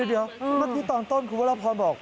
เดี๋ยวเมื่อกี้ตอนต้นคือเวลาพอร์ดบอก